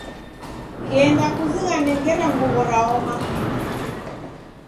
Ghenda kuzighane ngera nguw'o raoma